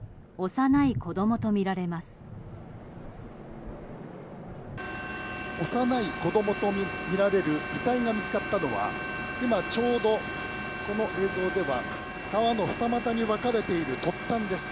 幼い子供とみられる遺体が見つかったのは今ちょうどこの映像では川が二股に分かれている突端です。